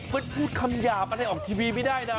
เพิ่งพูดคำหย่ามาให้ออกทีวีไม่ได้นะ